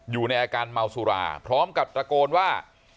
อยู่ในอาการเมาสุราพร้อมกับตะโกนว่า